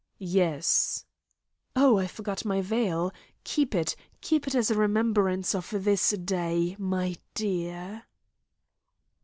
"Yes." "Oh, I forgot my veil. Keep it, keep it as a remembrance of this day. My dear!"